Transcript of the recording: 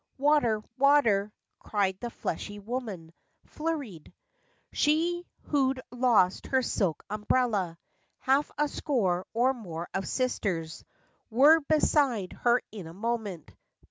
" Water! water! " Cried the fleshy woman, flurried— She who 'd lost her silk umbrella. Half a score or more of sisters Were beside her in a moment.